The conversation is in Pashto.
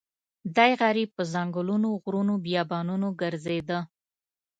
دی غریب په ځنګلونو غرونو بیابانونو ګرځېده.